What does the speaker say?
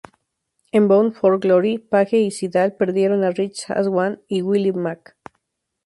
En "Bound for Glory", Page y Sydal perdieron a Rich Swann y Willie Mack.